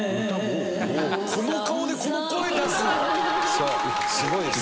「そうすごいでしょ？」